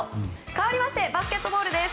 かわりましてバスケットボールです。